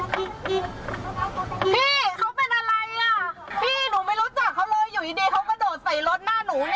พี่หนูไม่รู้จักเขาเลยอยู่ดีเขากระโดดใส่รถหน้าหนูเนี่ย